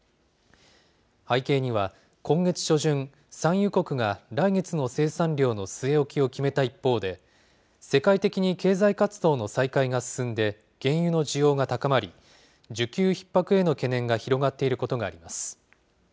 背景には、今月初旬、産油国が来月の生産量の据え置きを決めた一方で、世界的に経済活動の再開が進んで、原油の需要が高まり、需給ひっ迫への懸念が広がっていることがあります。